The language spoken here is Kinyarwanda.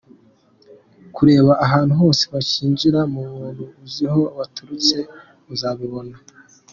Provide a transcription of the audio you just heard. Kureka abantu bose bakinjira, nta muntu uzi aho baturutse, muzabibona.